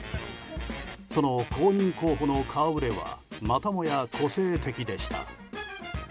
その後任候補の顔触れはまたもや個性的でした。